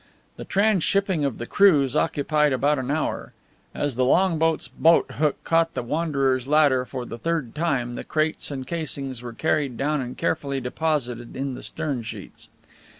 The transshipping of the crews occupied about an hour. As the longboat's boat hook caught the Wanderer's ladder for the third time the crates and casings were carried down and carefully deposited in the stern sheets.